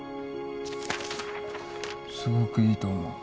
すごくいいと思う。